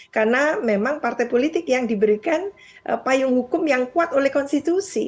karena memang partai politik yang diberikan payung hukum yang kuat oleh konstitusi